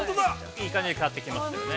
◆いい感じに変わってきましたよね。